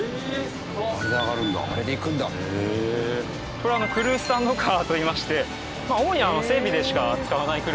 これはクルースタンドカーといいまして主に整備でしか扱わない車ですが。